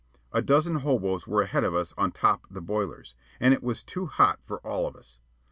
A dozen hoboes were ahead of us on top the boilers, and it was too hot for all of us.